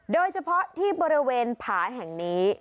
โดยเฉพาะที่บริเวณผาแห่งนี้